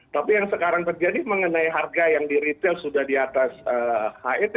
tapi yang sekarang terjadi mengenai harga yang di retail sudah di atas het